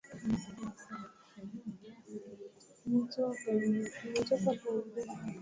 Tia kijiko kimoja cha chumvi kwenye nyama na uchemshe